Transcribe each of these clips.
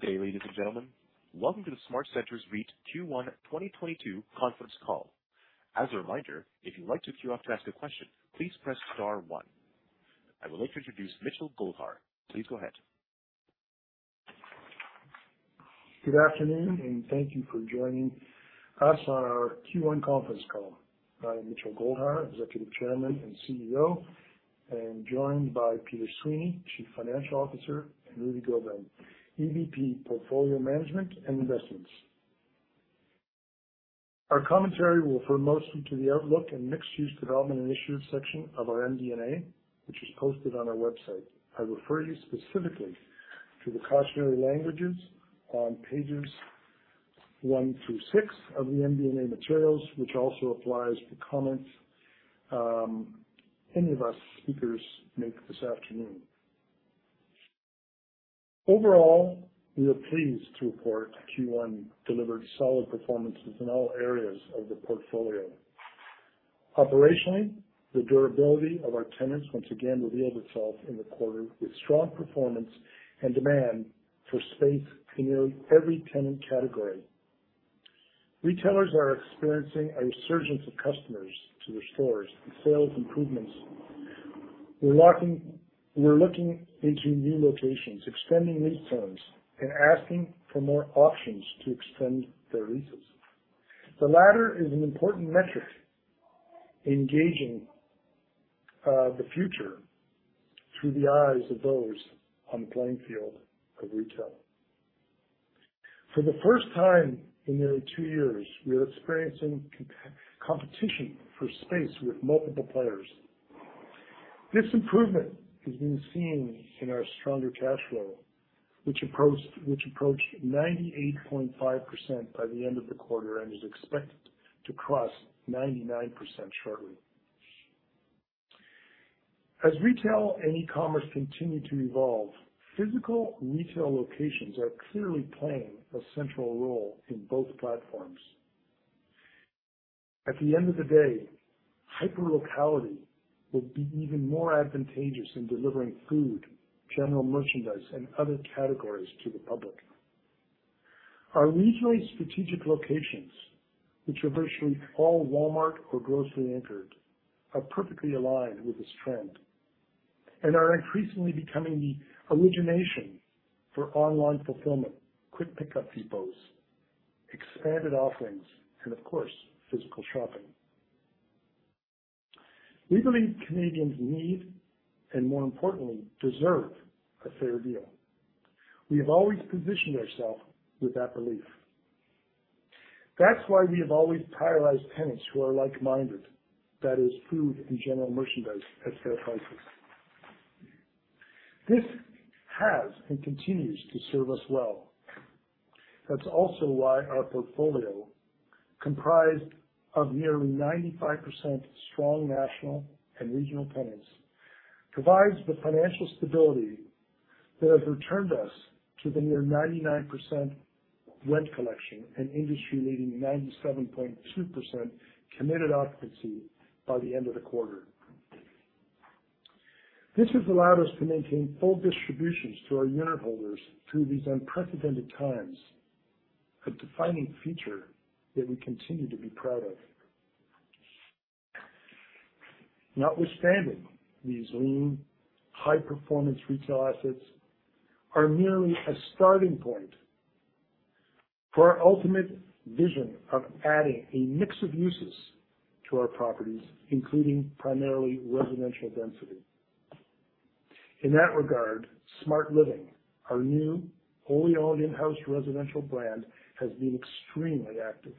Good day, ladies and gentlemen. Welcome to the SmartCentres REIT Q1 2022 Conference Call. As a reminder, if you'd like to queue up to ask a question, please press star one. I would like to introduce Mitchell Goldhar. Please go ahead. Good afternoon, and thank you for joining us on our Q1 conference call. I am Mitchell Goldhar, Executive Chairman and CEO, and joined by Peter Sweeney, Chief Financial Officer, and Rudy Gobin, EVP, Portfolio Management and Investments. Our commentary will refer mostly to the outlook and mixed-use development initiatives section of our MD&A, which is posted on our website. I refer you specifically to the cautionary languages on pages 1 through 6 of the MD&A materials, which also applies to comments any of us speakers make this afternoon. Overall, we are pleased to report Q1 delivered solid performances in all areas of the portfolio. Operationally, the durability of our tenants once again revealed itself in the quarter with strong performance and demand for space in nearly every tenant category. Retailers are experiencing a resurgence of customers to their stores and sales improvements. We're looking into new locations, extending lease terms, and asking for more options to extend their leases. The latter is an important metric engaging the future through the eyes of those on the playing field of Retail. For the first time in nearly two years, we are experiencing competition for space with multiple players. This improvement has been seen in our stronger cash flow, which approached 98.5% by the end of the quarter and is expected to cross 99% shortly. As Retail and e-commerce continue to evolve, physical retail locations are clearly playing a central role in both platforms. At the end of the day, hyper locality will be even more advantageous in delivering food, general merchandise, and other categories to the public. Our regionally strategic locations, which are virtually all Walmart or grocery anchored, are perfectly aligned with this trend and are increasingly becoming the origination for online fulfillment, quick pickup depots, expanded offerings, and of course, physical shopping. We believe Canadians need, and more importantly, deserve a fair deal. We have always positioned ourselves with that belief. That's why we have always prioritized tenants who are like-minded. That is food and general merchandise at fair prices. This has and continues to serve us well. That's also why our portfolio, comprised of nearly 95% strong national and regional tenants, provides the financial stability that has returned us to the near 99% rent collection and industry-leading 97.2% committed occupancy by the end of the quarter. This has allowed us to maintain full distributions to our unit holders through these unprecedented times, a defining feature that we continue to be proud of. Notwithstanding, these lean, high-performance Retail assets are merely a starting point for our ultimate vision of adding a mix of uses to our properties, including primarily residential density. In that regard, SmartLiving, our new wholly owned in-house residential brand, has been extremely active,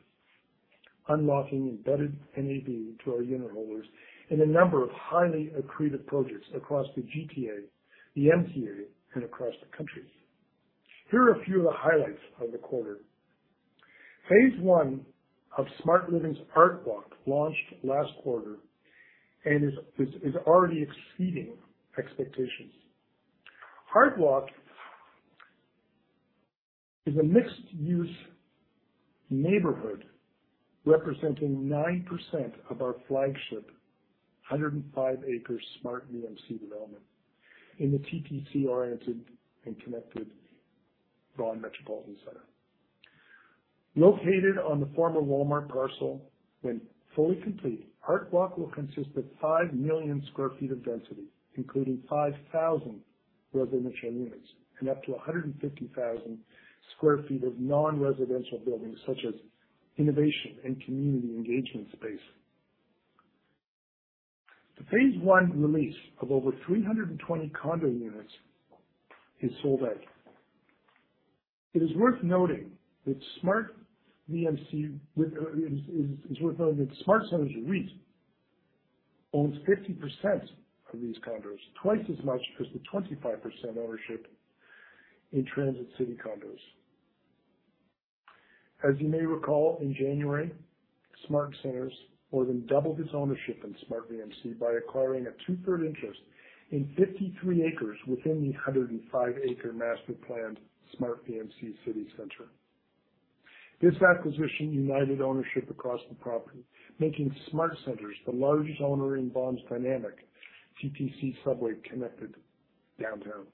unlocking embedded NAV to our unit holders in a number of highly accretive projects across the GTA, the MTA, and across the country. Here are a few of the highlights of the quarter. Phase I of SmartLiving's ArtWalk launched last quarter and is already exceeding expectations. ArtWalk is a mixed-use neighborhood representing 9% of our flagship 105-acre SmartVMC development in the TTC-oriented and connected Vaughan Metropolitan Centre. Located on the former Walmart parcel, when fully complete, ArtWalk will consist of 5 million sq ft of density, including 5,000 residential units and up to 150,000 sq ft of non-residential buildings such as innovation and community engagement space. The phase one release of over 320 condo units is sold out. It is worth noting that SmartCentres REIT owns 50% of these condos, twice as much as the 25% ownership in Transit City condos. As you may recall, in January, SmartCentres more than doubled its ownership in SmartVMC by acquiring a two-thirds interest in 53 acres within the 105-acre master planned SmartVMC city center. This acquisition united ownership across the property, making SmartCentres the largest owner in Vaughan's dynamic TTC subway-connected downtown.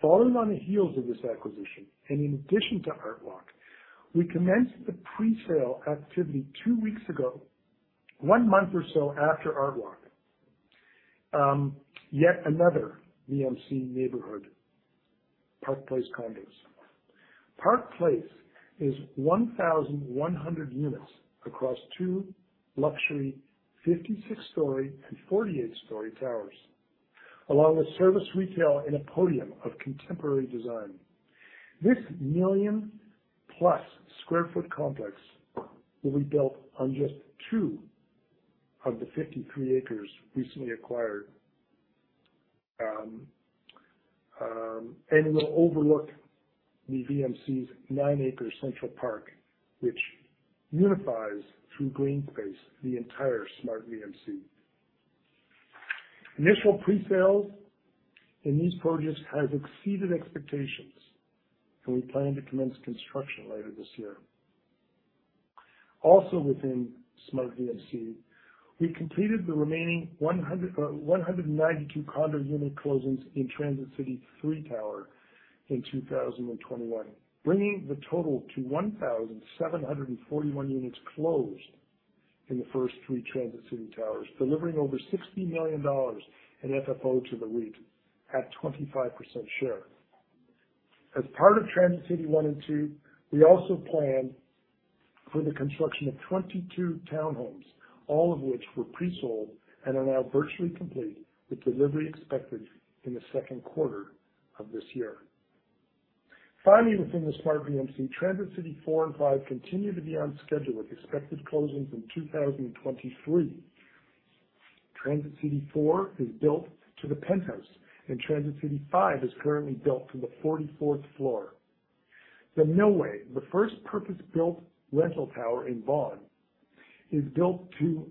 Following on the heels of this acquisition, and in addition to ArtWalk, we commenced the presale activity two weeks ago, one month or so after ArtWalk, yet another VMC neighborhood, Park Place Condos. Park Place is 1,100 units across two luxury 56-story and 48-story towers, along with service retail in a podium of contemporary design. This million-plus sq ft complex will be built on just two of the 53 acres recently acquired, and it will overlook the VMC's 9-acre Central Park, which unifies through green space the entire SmartVMC. Initial presales in these projects has exceeded expectations, and we plan to commence construction later this year. Also within Smart VMC, we completed the remaining 100 and 192 condo unit closings in Transit City 3 tower in 2021, bringing the total to 1,741 units closed in the first three Transit City towers, delivering over 60 million dollars in FFO to the REIT at 25% share. As part of Transit City 1 and 2, we also plan for the construction of 22 townhomes, all of which were presold and are now virtually complete, with delivery expected in the second quarter of this year. Finally, within the Smart VMC, Transit City 4 and 5 continue to be on schedule with expected closings in 2023. Transit City 4 is built to the penthouse, and Transit City 5 is currently built to the 44th floor. The Millway, the first purpose-built rental tower in Vaughan, is built to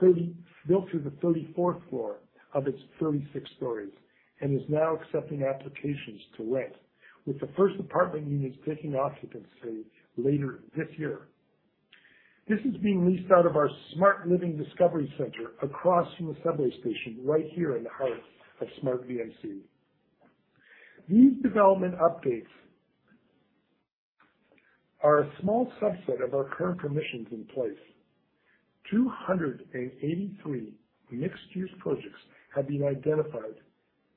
the 34th floor of its 36 stories and is now accepting applications to rent, with the first apartment units taking occupancy later this year. This is being leased out of our SmartLiving Discovery Center across from the subway station right here in the heart of SmartVMC. These development updates are a small subset of our current permissions in place. 283 mixed-use projects have been identified,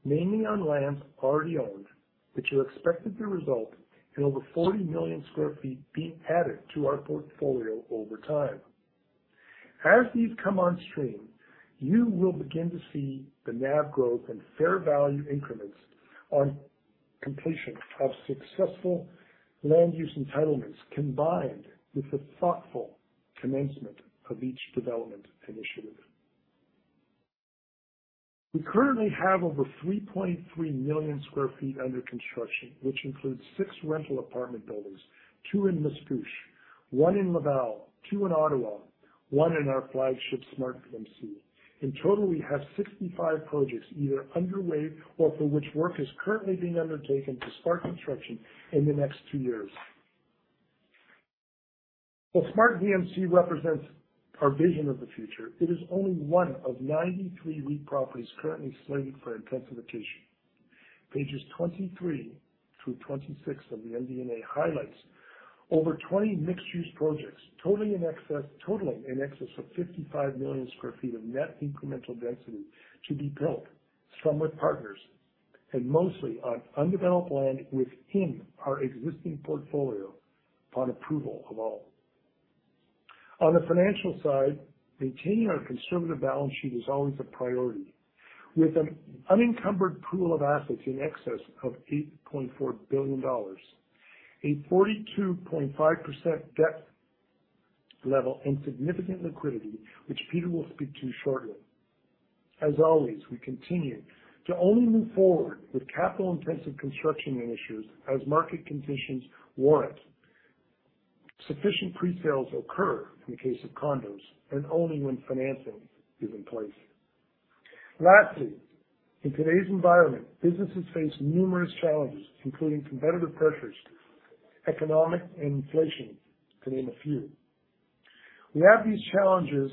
mainly on land already owned, which are expected to result in over 40 million sq ft being added to our portfolio over time. As these come on stream, you will begin to see the NAV growth and fair value increments on completion of successful land use entitlements, combined with the thoughtful commencement of each development initiative. We currently have over 3.3 million sq ft under construction, which includes six rental apartment buildings, two in Mascouche, one in Laval, two in Ottawa, one in our flagship SmartVMC. In total, we have 65 projects either underway or for which work is currently being undertaken to start construction in the next two years. While SmartVMC represents our vision of the future, it is only one of 93 REIT properties currently slated for intensification. Pages 23 through 26 of the MD&A highlights over 20 mixed-use projects totaling in excess of 55 million sq ft of net incremental density to be built, some with partners and mostly on undeveloped land within our existing portfolio upon approval of all. On the financial side, maintaining our conservative balance sheet is always a priority. With an unencumbered pool of assets in excess of 8.4 billion dollars, a 42.5% debt level, and significant liquidity, which Peter will speak to shortly. As always, we continue to only move forward with capital-intensive construction initiatives as market conditions warrant, sufficient presales occur in the case of condos, and only when financing is in place. Lastly, in today's environment, businesses face numerous challenges, including competitive pressures, economic inflation, to name a few. We take these challenges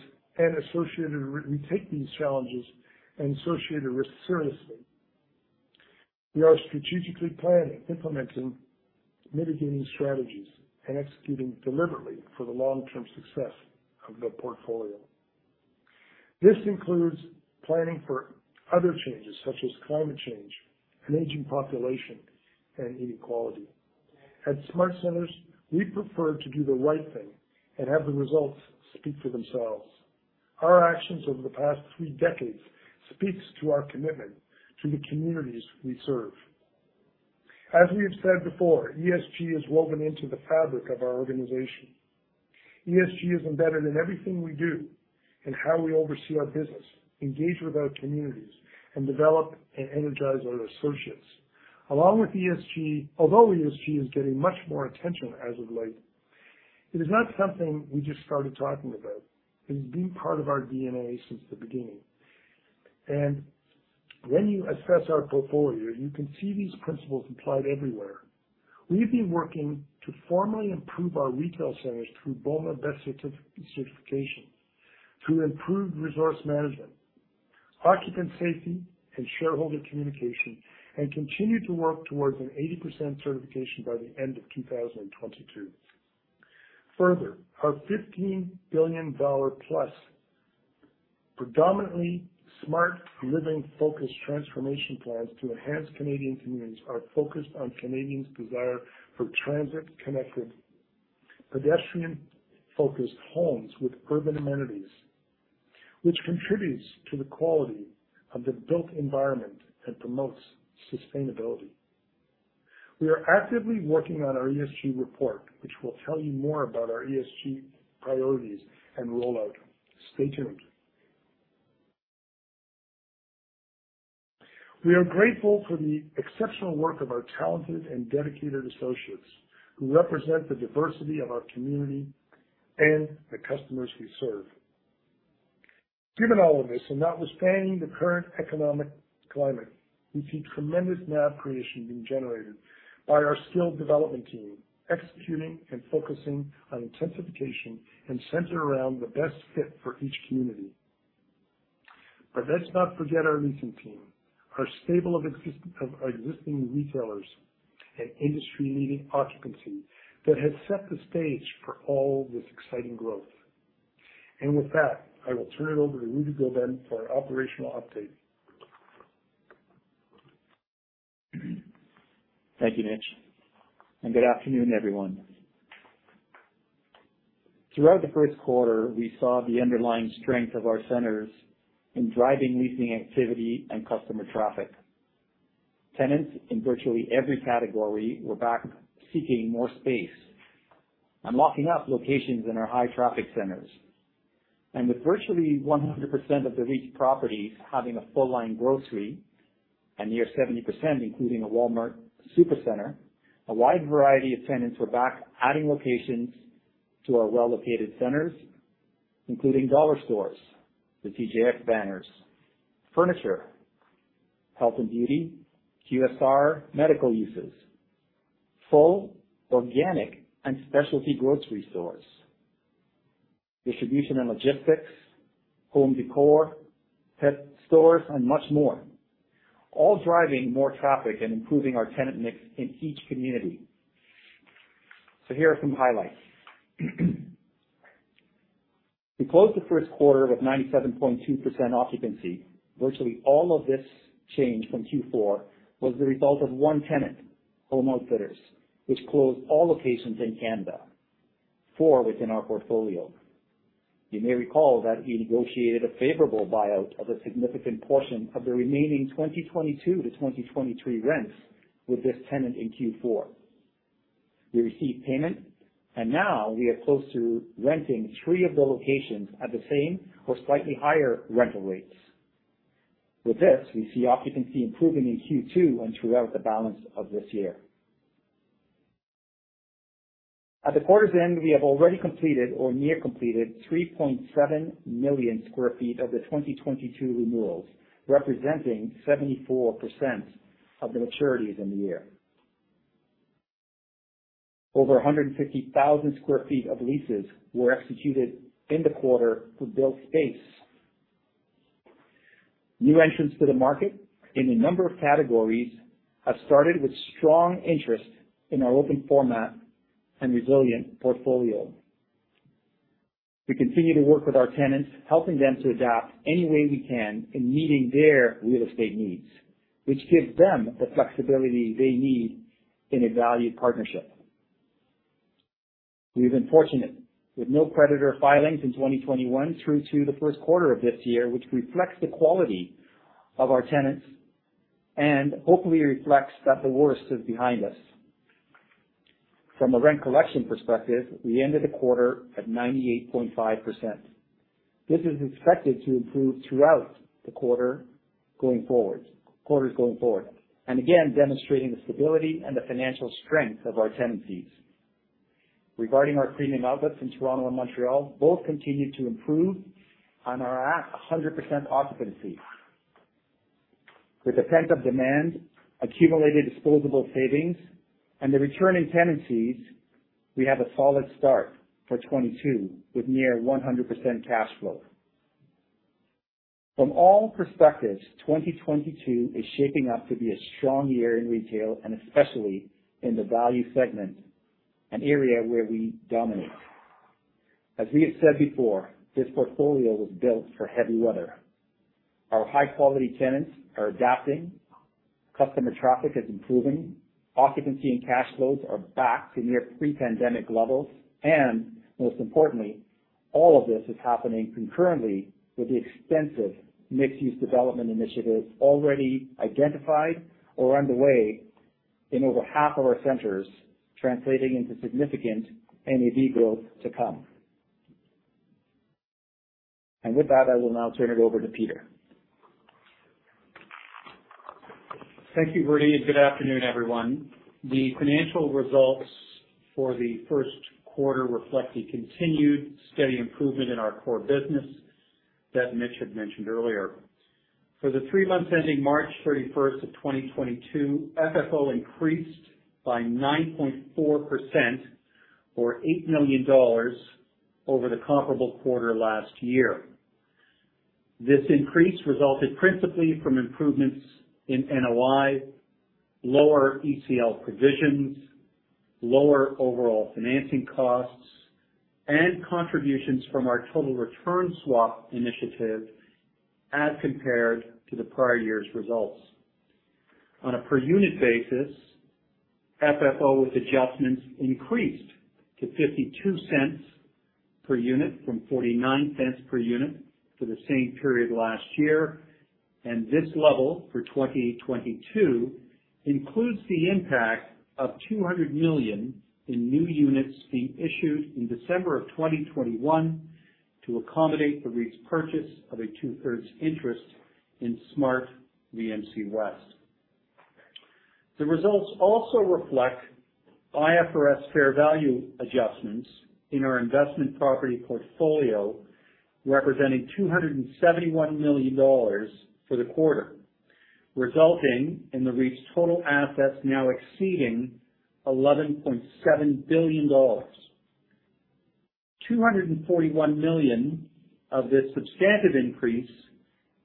and associated risks seriously. We are strategically planning, implementing mitigating strategies, and executing deliberately for the long-term success of the portfolio. This includes planning for other changes such as climate change and aging population and inequality. At SmartCentres, we prefer to do the right thing and have the results speak for themselves. Our actions over the past three decades speaks to our commitment to the communities we serve. As we have said before, ESG is woven into the fabric of our organization. ESG is embedded in everything we do and how we oversee our business, engage with our communities, and develop and energize our associates. Although ESG is getting much more attention as of late, it is not something we just started talking about. It has been part of our DNA since the beginning. When you assess our portfolio, you can see these principles applied everywhere. We've been working to formally improve our retail centers through BOMA BEST certification, through improved resource management, occupant safety, and shareholder communication, and continue to work towards an 80% certification by the end of 2022. Further, our CAD 15 billion-plus predominantly SmartLiving-focused transformation plans to enhance Canadian communities are focused on Canadians' desire for transit-connected, pedestrian-focused homes with urban amenities, which contributes to the quality of the built environment and promotes sustainability. We are actively working on our ESG report, which will tell you more about our ESG priorities and rollout. Stay tuned. We are grateful for the exceptional work of our talented and dedicated associates who represent the diversity of our community and the customers we serve. Given all of this, and notwithstanding the current economic climate, we see tremendous NAV creation being generated by our skilled development team, executing and focusing on intensification and centered around the best fit for each community. Let's not forget our leasing team, our stable of existing retailers and industry-leading occupancy that has set the stage for all this exciting growth. With that, I will turn it over to Rudy Gobin for our operational update. Thank you, Mitch, and good afternoon, everyone. Throughout the first quarter, we saw the underlying strength of our centers in driving leasing activity and customer traffic. Tenants in virtually every category were back seeking more space and locking up locations in our high-traffic centers. With virtually 100% of the leased properties having a full-line grocery and near 70% including a Walmart Supercentre, a wide variety of tenants were back adding locations to our well-located centers, including dollar stores, the TJX banners, furniture, health and beauty, QSR, medical uses, full organic and specialty grocery stores, distribution and logistics, home decor, pet stores, and much more, all driving more traffic and improving our tenant mix in each community. Here are some highlights. We closed the first quarter with 97.2% occupancy. Virtually all of this change from Q4 was the result of one tenant, Home Outfitters, which closed all locations in Canada, four within our portfolio. You may recall that we negotiated a favorable buyout of a significant portion of the remaining 2022 to 2023 rents with this tenant in Q4. We received payment, and now we are close to renting three of the locations at the same or slightly higher rental rates. With this, we see occupancy improving in Q2 and throughout the balance of this year. At the quarter's end, we have already completed or nearly completed 3.7 million sq ft of the 2022 renewals, representing 74% of the maturities in the year. Over 150,000 sq ft of leases were executed in the quarter for built space. New entrants to the market in a number of categories have started with strong interest in our open format and resilient portfolio. We continue to work with our tenants, helping them to adapt any way we can in meeting their real estate needs, which gives them the flexibility they need in a valued partnership. We've been fortunate with no creditor filings in 2021 through to the first quarter of this year, which reflects the quality of our tenants and hopefully reflects that the worst is behind us. From a rent collection perspective, we ended the quarter at 98.5%. This is expected to improve throughout quarters going forward, and again, demonstrating the stability and the financial strength of our tenancies. Regarding our premium outlets in Toronto and Montreal, both continue to improve on our 100% occupancy. With the pent-up demand, accumulated disposable savings, and the returning tenancies, we have a solid start for 2022 with near 100% cash flow. From all perspectives, 2022 is shaping up to be a strong year in Retail and especially in the value segment, an area where we dominate. As we have said before, this portfolio was built for heavy weather. Our high-quality tenants are adapting, customer traffic is improving, occupancy and cash flows are back to near pre-pandemic levels, and most importantly, all of this is happening concurrently with the extensive mixed-use development initiatives already identified or underway in over half of our centers, translating into significant NAV growth to come. With that, I will now turn it over to Peter. Thank you, Rudy, and good afternoon, everyone. The financial results for the first quarter reflect the continued steady improvement in our core business that Mitch had mentioned earlier. For the three months ending March 31, 2022, FFO increased by 9.4% or 8 million dollars over the comparable quarter last year. This increase resulted principally from improvements in NOI, lower ECL provisions, lower overall financing costs, and contributions from our total return swap initiative as compared to the prior year's results. On a per unit basis, FFO with adjustments increased to 0.52 per unit from 0.49 per unit for the same period last year, and this level for 2022 includes the impact of 200 million in new units being issued in December 2021 to accommodate the REIT's purchase of a two-thirds interest in SmartVMC West. The results also reflect IFRS fair value adjustments in our investment property portfolio, representing 271 million dollars for the quarter, resulting in the REIT's total assets now exceeding 11.7 billion dollars. 241 million of this substantive increase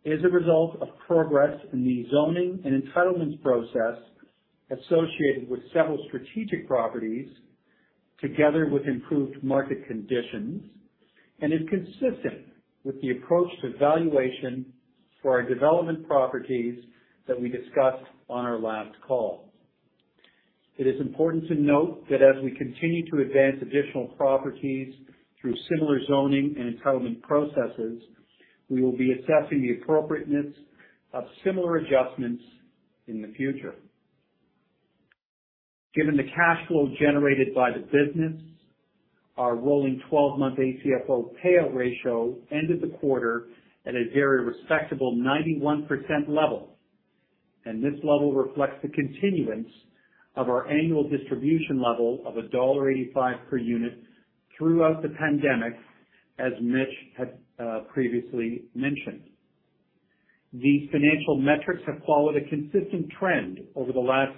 is a result of progress in the zoning and entitlements process associated with several strategic properties, together with improved market conditions, and is consistent with the approach to valuation for our development properties that we discussed on our last call. It is important to note that as we continue to advance additional properties through similar zoning and entitlement processes, we will be assessing the appropriateness of similar adjustments in the future. Given the cash flow generated by the business, our rolling 12-month ACFO payout ratio ended the quarter at a very respectable 91% level, and this level reflects the continuance of our annual distribution level of dollar 1.85 per unit throughout the pandemic, as Mitch had previously mentioned. These financial metrics have followed a consistent trend over the last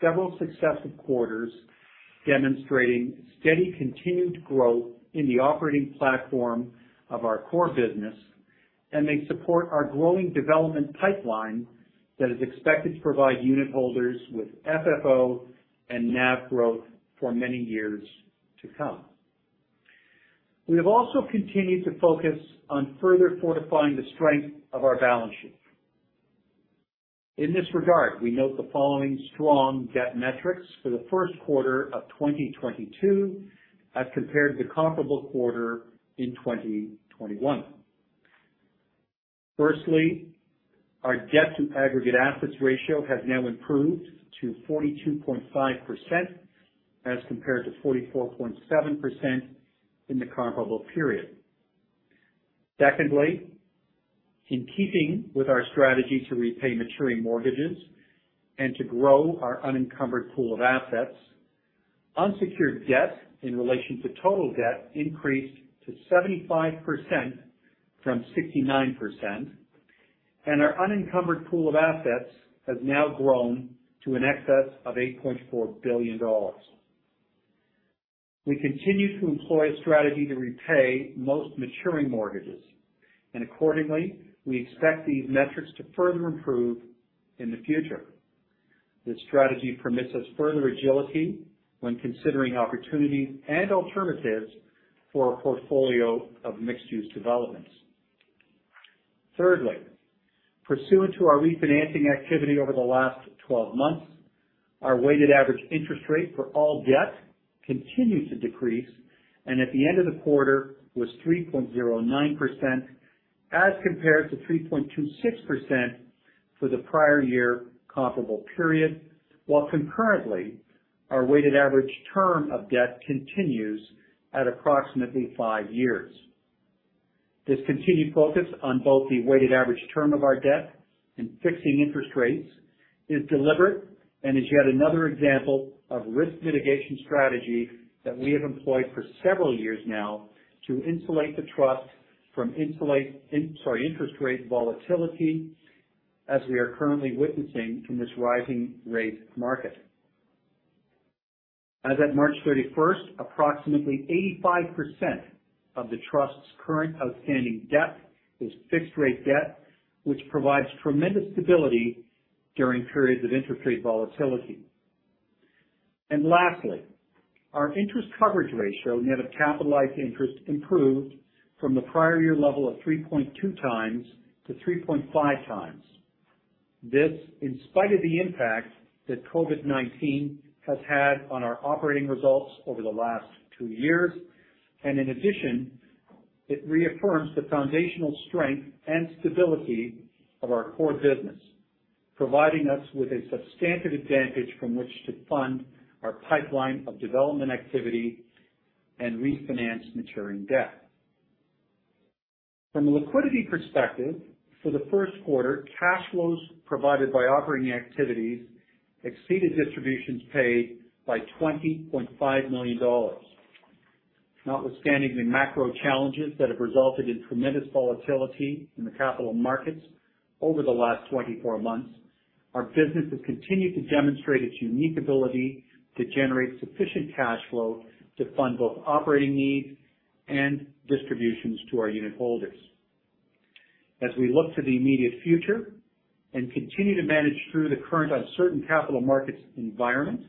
several successive quarters, demonstrating steady continued growth in the operating platform of our core business, and they support our growing development pipeline that is expected to provide unitholders with FFO and NAV growth for many years to come. We have also continued to focus on further fortifying the strength of our balance sheet. In this regard, we note the following strong debt metrics for the first quarter of 2022 as compared to the comparable quarter in 2021. Firstly, our debt to aggregate assets ratio has now improved to 42.5% as compared to 44.7% in the comparable period. Secondly, in keeping with our strategy to repay maturing mortgages and to grow our unencumbered pool of assets, unsecured debt in relation to total debt increased to 75% from 69%, and our unencumbered pool of assets has now grown to an excess of 8.4 billion dollars. We continue to employ a strategy to repay most maturing mortgages, and accordingly, we expect these metrics to further improve in the future. This strategy permits us further agility when considering opportunities and alternatives for a portfolio of mixed-use developments. Thirdly, pursuant to our refinancing activity over the last 12 months, our weighted average interest rate for all debt continued to decrease, and at the end of the quarter was 3.09% as compared to 3.26% for the prior year comparable period, while concurrently, our weighted average term of debt continues at approximately five years. This continued focus on both the weighted average term of our debt and fixing interest rates is deliberate and is yet another example of risk mitigation strategy that we have employed for several years now to insulate the trust from interest rate volatility as we are currently witnessing in this rising rate market. As of March 31, approximately 85% of the trust's current outstanding debt is fixed-rate debt, which provides tremendous stability during periods of interest rate volatility. Lastly, our interest coverage ratio net of capitalized interest improved from the prior year level of 3.2x-3.5x. This in spite of the impact that COVID-19 has had on our operating results over the last two years. In addition, it reaffirms the foundational strength and stability of our core business, providing us with a substantive advantage from which to fund our pipeline of development activity and refinance maturing debt. From a liquidity perspective, for the first quarter, cash flows provided by operating activities exceeded distributions paid by 20.5 million dollars. Notwithstanding the macro challenges that have resulted in tremendous volatility in the capital markets over the last 24 months, our business has continued to demonstrate its unique ability to generate sufficient cash flow to fund both operating needs and distributions to our unit holders. As we look to the immediate future and continue to manage through the current uncertain capital markets environment,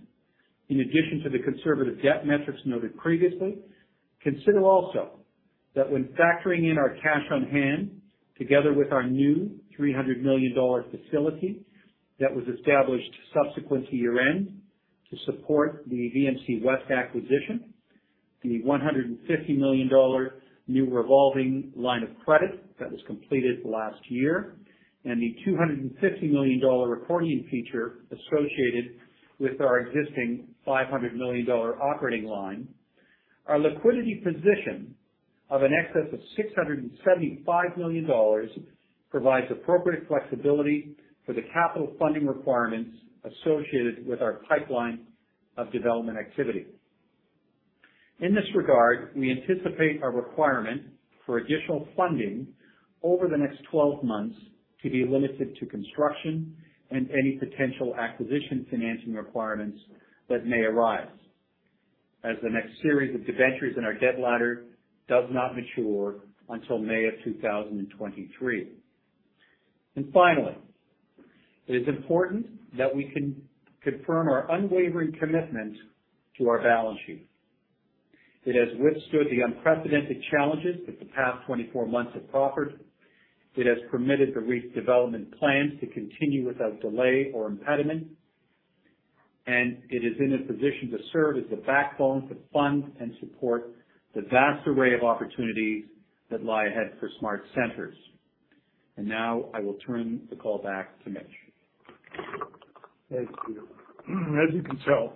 in addition to the conservative debt metrics noted previously, consider also that when factoring in our cash on hand, together with our new 300 million dollar facility that was established subsequent to year-end to support the VMC West acquisition, the 150 million dollar new revolving line of credit that was completed last year, and the 250 million dollar accordion feature associated with our existing 500 million dollar operating line. Our liquidity position of an excess of 675 million dollars provides appropriate flexibility for the capital funding requirements associated with our pipeline of development activity. In this regard, we anticipate our requirement for additional funding over the next 12 months to be limited to construction and any potential acquisition financing requirements that may arise, as the next series of debentures in our debt ladder does not mature until May of 2023. Finally, it is important that we confirm our unwavering commitment to our balance sheet. It has withstood the unprecedented challenges that the past 24 months have proffered. It has permitted the REIT's development plans to continue without delay or impediment, and it is in a position to serve as the backbone to fund and support the vast array of opportunities that lie ahead for SmartCentres. Now I will turn the call back to Mitch. Thank you. As you can tell,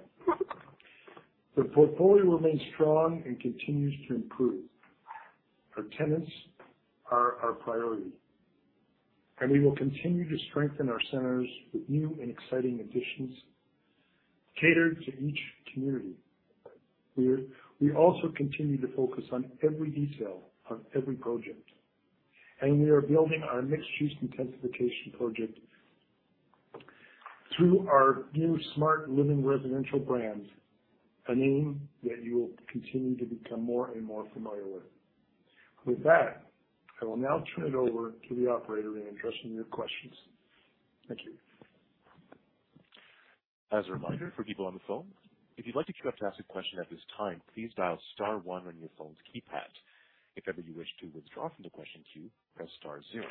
the portfolio remains strong and continues to improve. Our tenants are our priority, and we will continue to strengthen our centers with new and exciting additions catered to each community. We also continue to focus on every detail on every project, and we are building our mixed-use intensification project through our new SmartLiving brand, a name that you will continue to become more and more familiar with. With that, I will now turn it over to the operator to address any of your questions. Thank you. As a reminder for people on the phone, if you'd like to queue up to ask a question at this time, please dial star one on your phone's keypad. If ever you wish to withdraw from the question queue, press star zero.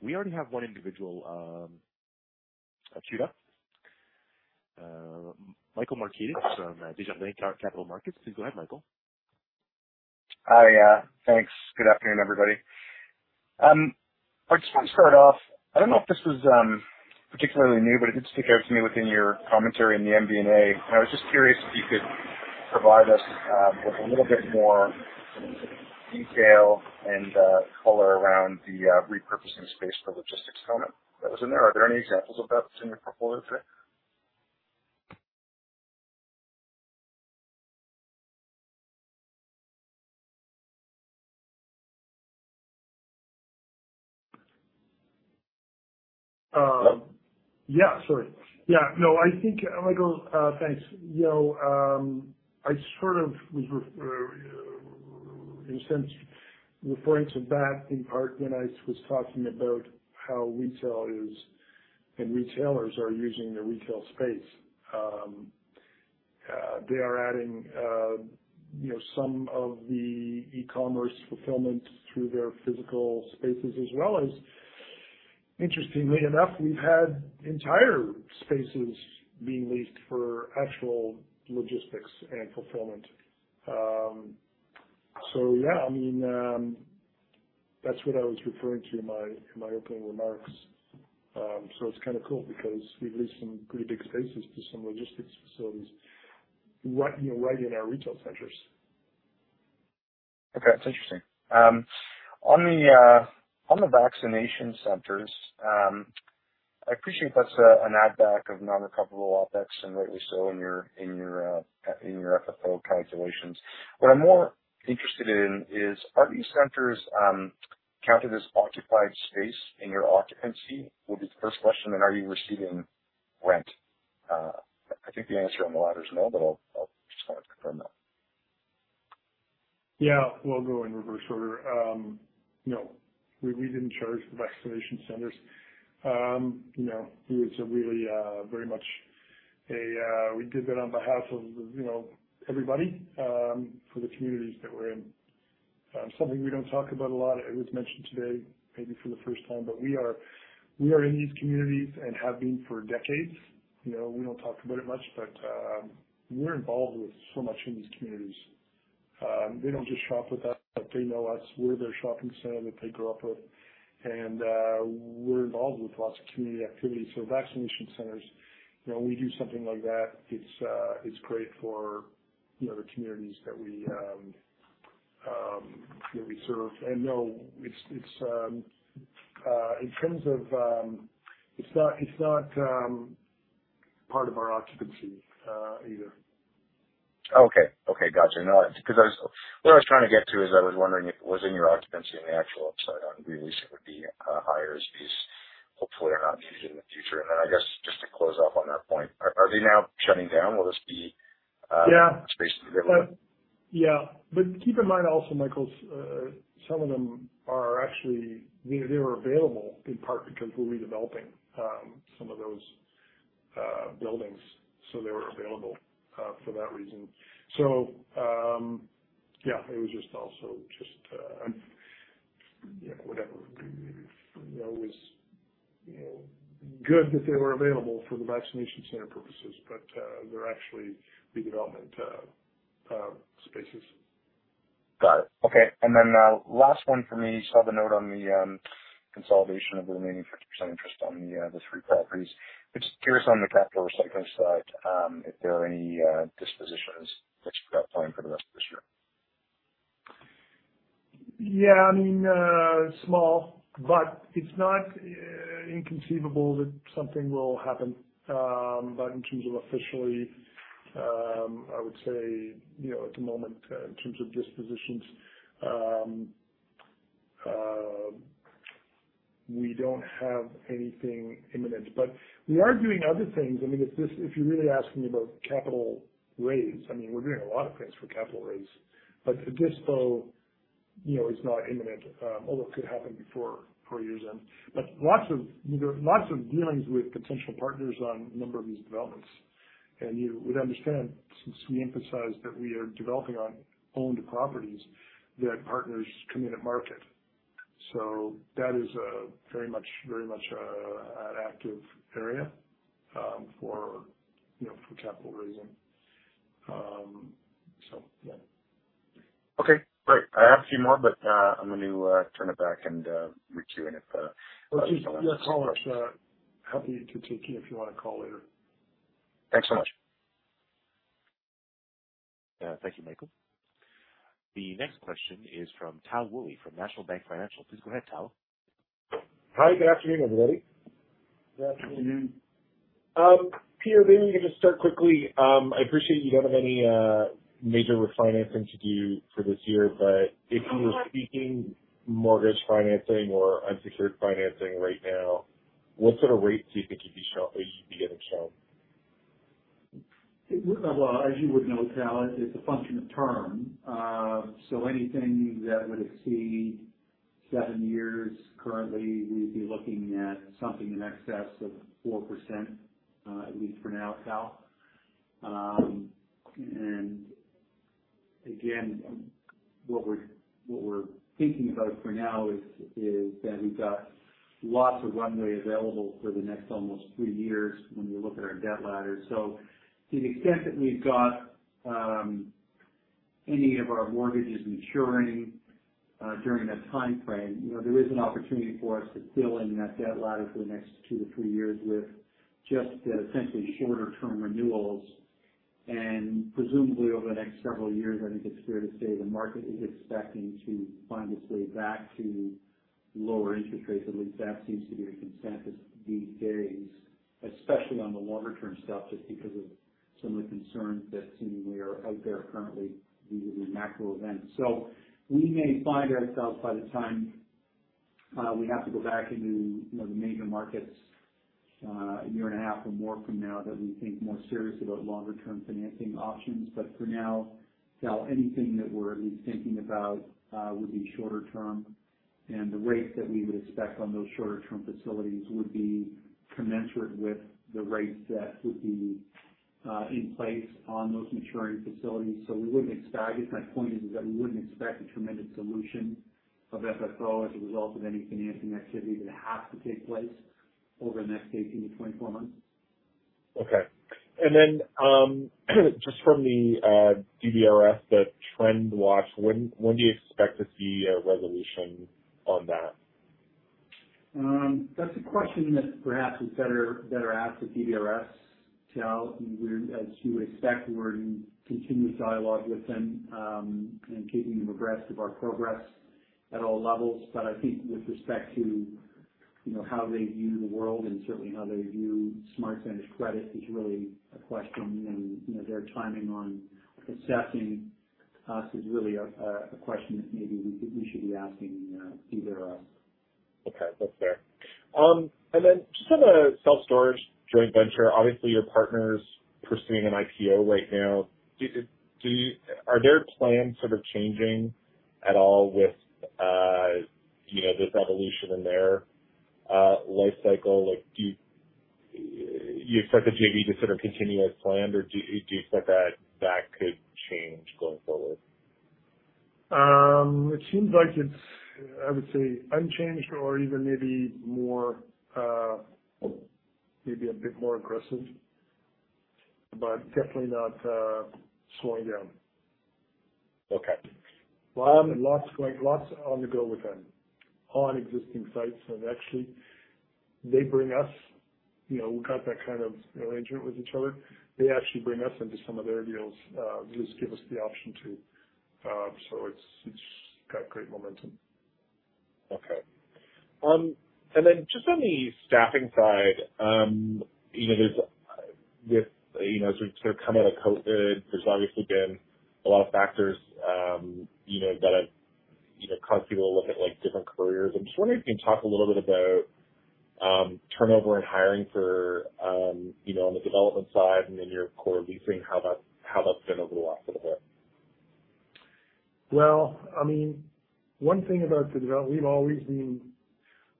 We already have one individual queued up. Michael Markidis from Desjardins Capital Markets. Please go ahead, Michael. Hi. Thanks. Good afternoon, everybody. I just want to start off. I don't know if this was particularly new, but it did stick out to me within your commentary in the MD&A. I was just curious if you could provide us with a little bit more detail and color around the repurposing space for logistics comment that was in there. Are there any examples of that in your portfolio today? Yeah, sorry. Yeah. No, I think Michael, thanks. You know, I sort of was in a sense referring to that in part when I was talking about how Retail is and retailers are using the Retail space. They are adding, you know, some of the e-commerce fulfillment through their physical spaces as well as interestingly enough, we've had entire spaces being leased for actual logistics and fulfillment. Yeah, I mean, that's what I was referring to in my opening remarks. It's kind of cool because we've leased some pretty big spaces to some logistics facilities right, you know, right in our retail centers. Okay. That's interesting. On the vaccination centers, I appreciate that's an add back of non-recoverable OpEx and rightly so in your FFO calculations. What I'm more interested in is, are these centers counted as occupied space in your occupancy? Would be the first question, and are you receiving rent? I think the answer on the latter is no, but I'll just want to confirm that. Yeah, we'll go in reverse order. No, we didn't charge the vaccination centers. You know, we did that on behalf of, you know, everybody, for the communities that we're in. Something we don't talk about a lot. It was mentioned today, maybe for the first time, but we are in these communities and have been for decades. You know, we don't talk about it much, but we're involved with so much in these communities. They don't just shop with us. They know us. We're their shopping center that they grow up with. We're involved with lots of community activities. Vaccination centers, you know, when we do something like that, it's great for, you know, the communities that we serve. No, it's in terms of. It's not part of our occupancy, either. Okay. Okay. Gotcha. No, because what I was trying to get to is I was wondering if it was in your occupancy in the actual upside on lease, it would be higher as these hopefully are not used in the future. Then I guess just to close off on that point, are they now shutting down? Will this be Yeah. Space to be given up? Yeah. Keep in mind also, Michael, some of them are actually. You know, they were available in part because we're redeveloping some of those buildings, so they were available for that reason. Yeah, it was just also, you know, whatever, you know, was good that they were available for the vaccination center purposes, but they're actually redevelopment spaces. Got it. Okay. Last one for me. Saw the note on the consolidation of the remaining 50% interest on the three properties. Just curious on the capital recycling side, if there are any dispositions that you've got planned for the rest of this year. Yeah. I mean, small, but it's not inconceivable that something will happen. In terms of official, I would say, you know, at the moment in terms of dispositions, we don't have anything imminent. We are doing other things. I mean, if you're really asking about capital raise, I mean, we're doing a lot of things for capital raise, but a dispo, you know, is not imminent. Although it could happen before year's end. Lots of dealings with potential partners on a number of these developments. You would understand, since we emphasize that we are developing our owned properties, that partners come in at market. That is very much an active area for, you know, capital raising. Yeah. Okay, great. I have a few more, but I'm gonna turn it back and requeue it, if you don't mind. Your callers, happy to take you if you want to call later. Thanks so much. Thank you, Michael. The next question is from Tal Woolley from National Bank Financial. Please go ahead, Tal. Hi. Good afternoon, everybody. Good afternoon. Peter, maybe we can just start quickly. I appreciate you don't have any major refinancing to do for this year, but if you were seeking mortgage financing or unsecured financing right now, what sort of rates do you think you'd be getting shown? Well, as you would know, Tal, it's a function of term. Anything that would exceed seven years currently, we'd be looking at something in excess of 4%, at least for now, Tal. Again, what we're thinking about for now is that we've got lots of runway available for the next almost three years when we look at our debt ladder. To the extent that we've got any of our mortgages maturing during that timeframe, you know, there is an opportunity for us to fill in that debt ladder for the next 2-3 years with just essentially shorter term renewals. Presumably over the next several years, I think it's fair to say the market is expecting to find its way back to lower interest rates. At least that seems to be the consensus these days, especially on the longer term stuff, just because of some of the concerns that seem to be out there currently due to the macro events. We may find ourselves by the time we have to go back into, you know, the major markets, a year and a half or more from now that we think more seriously about longer term financing options. For now, Tal, anything that we're at least thinking about would be shorter term. The rates that we would expect on those shorter term facilities would be commensurate with the rates that would be in place on those maturing facilities. We wouldn't expect. I guess my point is that we wouldn't expect a tremendous dilution of FFO as a result of any financing activity that has to take place over the next 18-24 months. Okay. Just from the DBRS, the trend watch, when do you expect to see a resolution on that? That's a question that perhaps is better asked of DBRS, Tal. As you would expect, we're in continuous dialogue with them, and keeping them abreast of our progress at all levels. I think with respect to, you know, how they view the world and certainly how they view SmartCentres credit is really a question. You know, their timing on assessing us is really a question that maybe we should be asking either of them. Okay. That's fair. Just on the self-storage joint venture, obviously your partner is pursuing an IPO right now. Are their plans sort of changing at all with, you know, this evolution in their life cycle? Like, do you expect the JV to sort of continue as planned, or do you expect that could change going forward? It seems like it's, I would say, unchanged or even maybe more, maybe a bit more aggressive. Definitely not slowing down. Okay. Lots on the go with them on existing sites. Actually they bring us, you know, we've got that kind of arrangement with each other. They actually bring us into some of their deals, just give us the option to, so it's got great momentum. Okay. Just on the staffing side, you know, there's this, you know, sort of coming out of COVID, there's obviously been a lot of factors, you know, that have, you know, caused people to look at, like, different careers. I'm just wondering if you can talk a little bit about, turnover and hiring for, you know, on the development side and then your core leasing, how that's been over the last little bit. Well, I mean, one thing.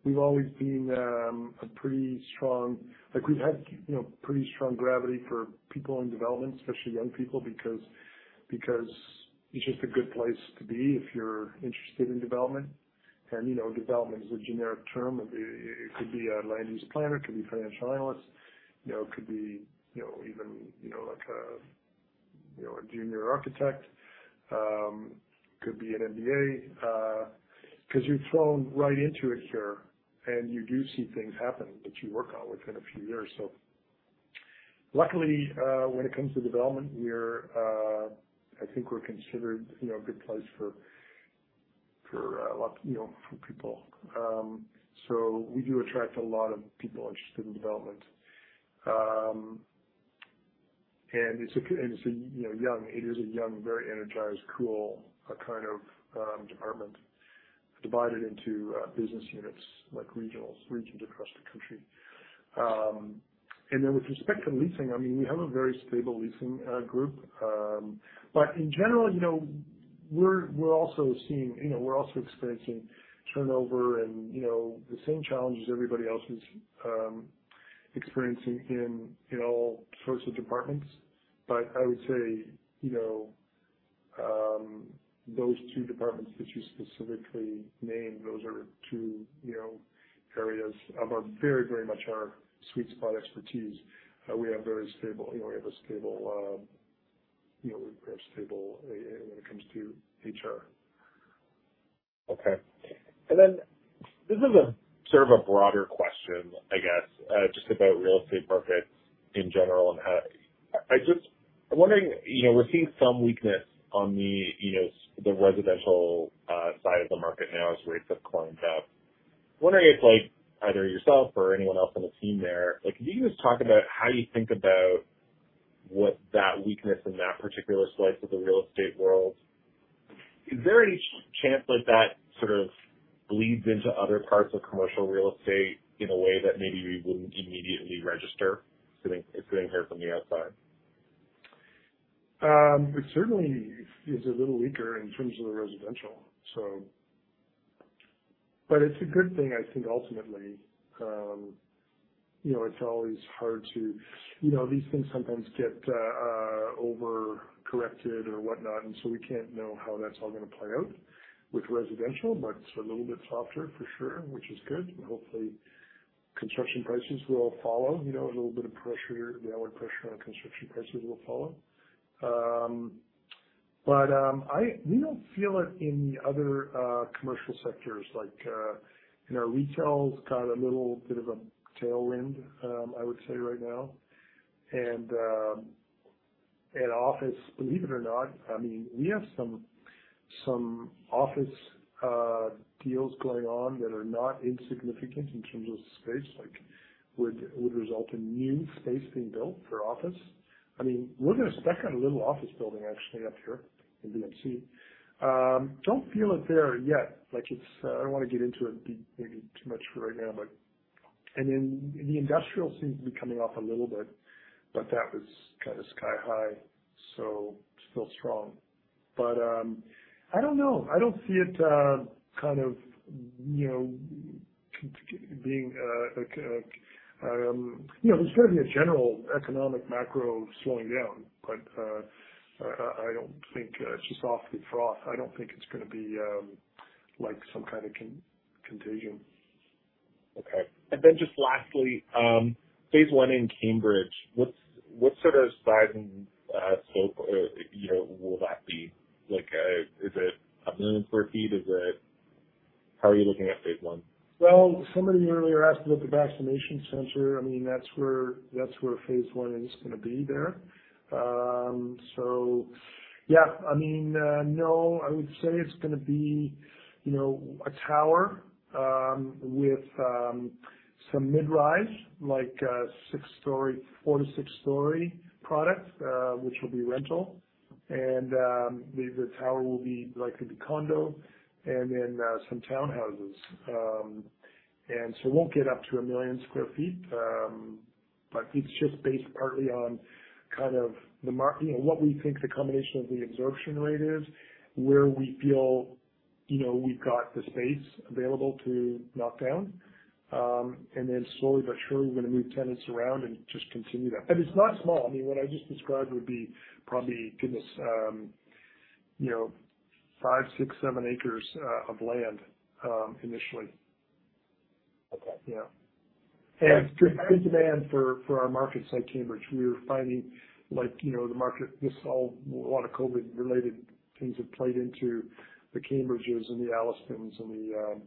We've always been a pretty strong. Like we've had, you know, pretty strong gravity for people in development, especially young people, because it's just a good place to be if you're interested in development. You know, development is a generic term. It could be a land use planner, it could be financial analyst, you know, it could be even, you know, like a junior architect. Could be an MBA, 'cause you're thrown right into it here. You do see things happen that you work on within a few years. Luckily, when it comes to development, I think we're considered, you know, a good place for a lot, you know, for people. We do attract a lot of people interested in development. It is a young, very energized, cool kind of department divided into business units, like regionals, regions across the country. With respect to leasing, I mean, we have a very stable leasing group. In general, you know, we're also seeing. You know, we're also experiencing turnover and, you know, the same challenges everybody else is experiencing in all sorts of departments. I would say, you know, those two departments that you specifically named, those are two, you know, areas of our very, very much our sweet spot expertise. We have very stable. You know, we have a stable, you know, we have stable when it comes to HR. Okay. This is a sort of a broader question, I guess, just about real estate markets in general and how I just, I'm wondering, you know, we're seeing some weakness on the, you know, the Residential side of the market now as rates have climbed up. I'm wondering if, like, either yourself or anyone else on the team there, like, can you just talk about how you think about what that weakness in that particular slice of the real estate world? Is there any chance that that sort of bleeds into other parts of commercial real estate in a way that maybe we wouldn't immediately register sitting here from the outside? It certainly is a little weaker in terms of the Residential. It's a good thing I think ultimately. You know, it's always hard. You know, these things sometimes get overcorrected or whatnot, and so we can't know how that's all gonna play out with Residential, but it's a little bit softer for sure, which is good. Hopefully construction prices will follow, you know, a little bit of pressure, downward pressure on construction prices will follow. We don't feel it in the other commercial sectors like, you know, Retail's got a little bit of a tailwind, I would say right now. Office, believe it or not, I mean, we have some Office deals going on that are not insignificant in terms of space, like would result in new space being built for Office. I mean, we're gonna spec on a little office building actually up here in VMC. Don't feel it there yet. Like it's. I don't wanna get into it, be maybe too much for right now, but. The industrial seems to be coming off a little bit, but that was kind of sky high, so still strong. I don't know. I don't see it, kind of, you know... You know, there's gonna be a general economic macro slowing down, but, I don't think it's just off the froth. I don't think it's gonna be, like some kind of contagion. Okay. Just lastly, phase I in Cambridge, what sort of size and scope, you know, will that be? Like, is it 1 million sq ft? How are you looking at phase one? Well, somebody earlier asked about the vaccination center. I mean, that's where phase I is gonna be there. Yeah, I mean, no, I would say it's gonna be, you know, a tower with some mid-rise, like a six-story, 4-6-story product, which will be rental. The tower will likely be condo and then some townhouses. It won't get up to 1 million sq ft, but it's just based partly on kind of the market. You know, what we think the combination of the absorption rate is, where we feel, you know, we've got the space available to knock down. Then slowly but surely, we're gonna move tenants around and just continue that. It's not small. I mean, what I just described would be probably, goodness, you know, 5, 6, 7 acres of land initially. Yeah. Strong demand for our markets like Cambridge. We're finding like, you know, the market just saw a lot of COVID-related things have played into the Cambridges and the Allistons and the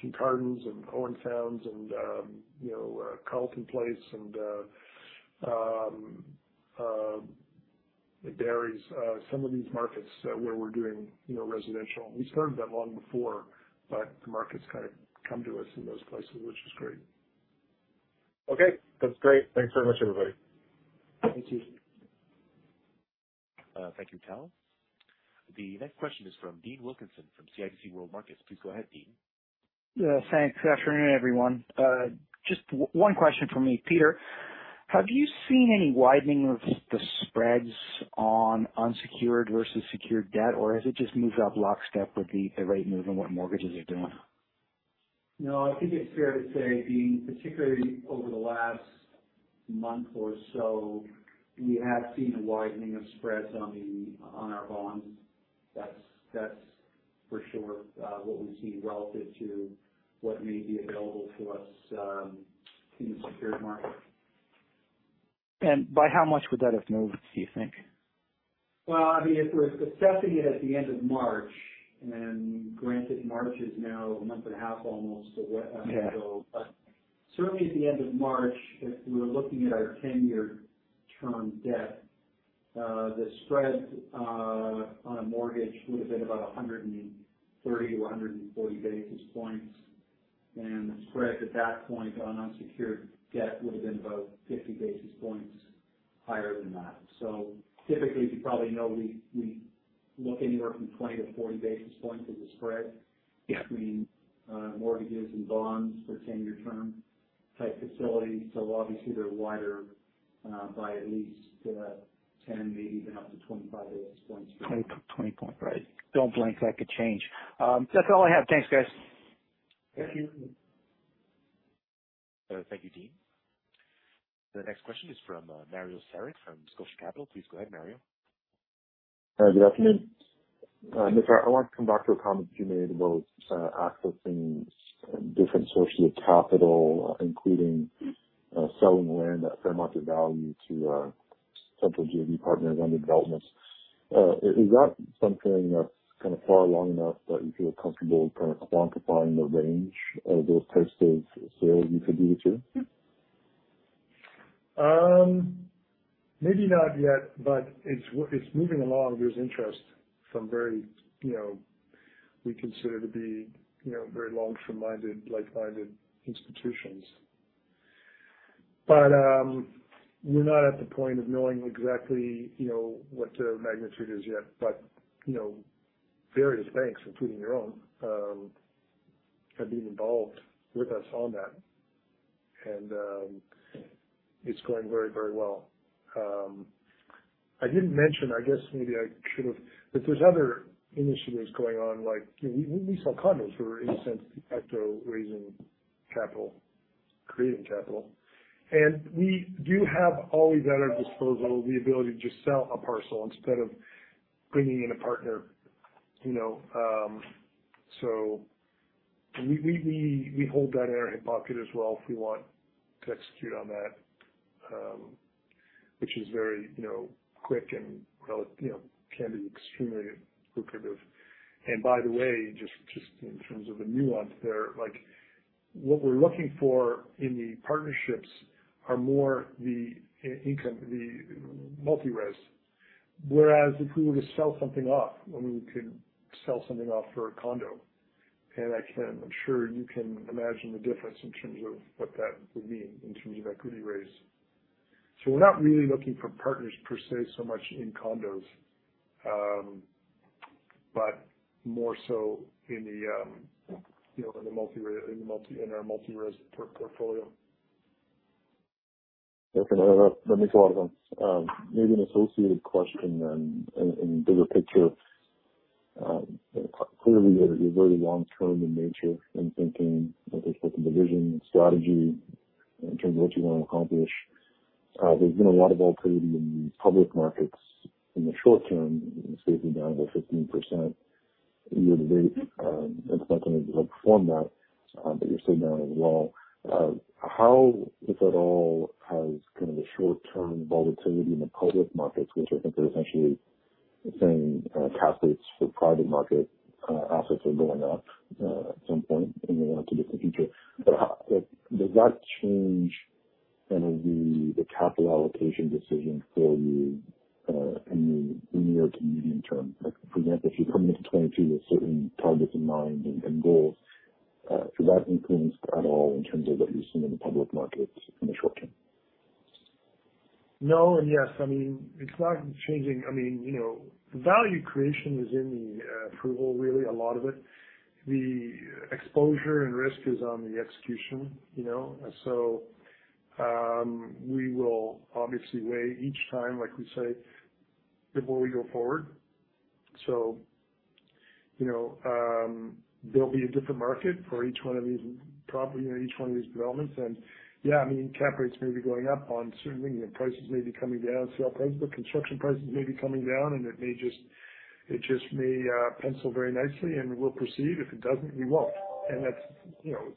Kincardines and Owen Sounds and, you know, Carleton Place and The Dairies. Some of these markets where we're doing, you know, Residential. We started that long before, but the market's kind of come to us in those places, which is great. Okay. That's great. Thanks very much, everybody. Thank you. Thank you, Tal. The next question is from Dean Wilkinson from CIBC World Markets. Please go ahead, Dean. Yeah, thanks. Good afternoon, everyone. Just one question from me. Peter, have you seen any widening of the spreads on unsecured versus secured debt, or has it just moved up lockstep with the rate move and what mortgages are doing? No, I think it's fair to say, Dean, particularly over the last month or so, we have seen a widening of spreads on our bonds. That's for sure what we've seen relative to what may be available to us in the secured market. By how much would that have moved, do you think? Well, I mean, if we're assessing it at the end of March, and granted, March is now a month and a half almost ago. Yeah. Certainly at the end of March, if we were looking at our 10-year term debt, the spread on a mortgage would have been about 130-140 basis points. The spread at that point on unsecured debt would have been about 50 basis points higher than that. Typically, as you probably know, we look anywhere from 20-40 basis points as a spread- Yeah. ...between mortgages and bonds for 10-year term type facilities. Obviously they're wider by at least 10, maybe even up to 25 basis points. 20 points. Right. Don't blink. That could change. That's all I have. Thanks, guys. Thank you. Thank you, Dean. The next question is from Mario Saric from Scotia Capital. Please go ahead, Mario. Good afternoon. Mitch, I want to come back to a comment you made about accessing different sources of capital, including selling land at fair market value to potential JV partners on the developments. Is that something that's kind of far along enough that you feel comfortable kind of quantifying the range of those types of sales you could do this year? Maybe not yet, but it's moving along. There's interest from very, you know, we consider to be, you know, very long-term minded, like-minded institutions. We're not at the point of knowing exactly, you know, what the magnitude is yet, but, you know, various banks, including your own, have been involved with us on that. It's going very, very well. I didn't mention I guess maybe I should have, but there's other initiatives going on, like we sell condos. We're in a sense de facto raising capital, creating capital. We do have always at our disposal the ability to just sell a parcel instead of bringing in a partner, you know. We hold that in our hip pocket as well if we want to execute on that, which is very, you know, quick and reliable, you know, can be extremely lucrative. By the way, just in terms of the nuance there, like what we're looking for in the partnerships are more the income, the multi-res, whereas if we were to sell something off, we could sell something off for a condo. I can—I'm sure you can imagine the difference in terms of what that would mean in terms of equity raise. We're not really looking for partners per se, so much in condos, but more so in the, you know, in the multi-res—in the multi—in our multi-res portfolio. Okay. No, no, that makes a lot of sense. Maybe an associated question then in bigger picture. Clearly you're very long-term in nature in thinking with respect to the vision and strategy in terms of what you want to accomplish. There's been a lot of volatility in the public markets in the short term. I think it's safely down about 15% year-to-date. It's not gonna outperform that, but you're still down overall. How, if at all, has kind of the short-term volatility in the public markets, which I think are essentially saying cap rates for private market assets are going up at some point in the not too distant future, changed kind of the capital allocation decision for you in the near to medium term? Like for example, if you're coming into 2022 with certain targets in mind and goals, do that influence at all in terms of what you've seen in the public markets in the short term? No, and yes. I mean, it's not changing. I mean, you know, value creation is in the approval really, a lot of it. The exposure and risk is on the execution, you know? We will obviously weigh each time, like we say, before we go forward. You know, there'll be a different market for each one of these property, you know, each one of these developments. Yeah, I mean, cap rates may be going up on certain things and prices may be coming down, sale price, but construction prices may be coming down and it just may pencil very nicely, and we'll proceed. If it doesn't, we won't. That's, you know,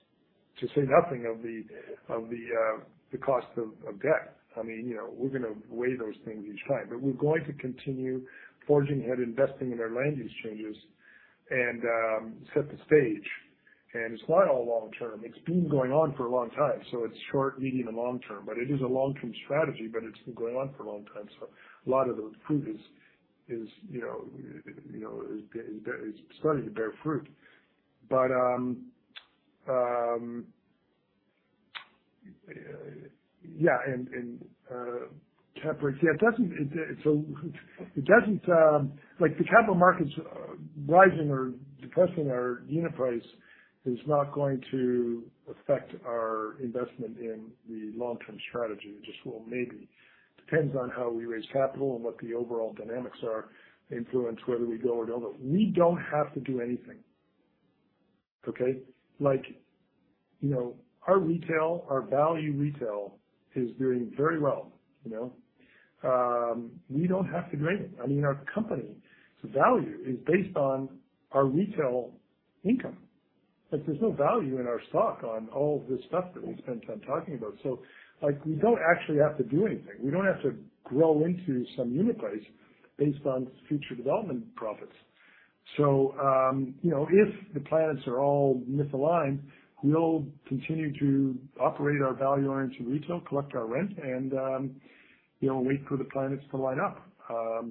to say nothing of the cost of debt. I mean, you know, we're gonna weigh those things each time. We're going to continue forging ahead, investing in our land exchanges and set the stage. It's not all long term. It's been going on for a long time, so it's short, medium, and long term. It is a long-term strategy, but it's been going on for a long time, so a lot of the fruit is you know starting to bear fruit. Like, the capital markets rising or depressing our unit price is not going to affect our investment in the long-term strategy. Just will maybe. Depends on how we raise capital and what the overall dynamics are influence whether we go or don't. We don't have to do anything, okay? Like, you know, our Retail, our value retail is doing very well, you know? We don't have to do anything. I mean, our company's value is based on our Retail income. Like, there's no value in our stock on all of this stuff that we spend time talking about. Like, we don't actually have to do anything. We don't have to grow into some unit price based on future development profits. You know, if the planets are all misaligned, we'll continue to operate our value-oriented retail, collect our rent, and, you know, wait for the planets to line up. I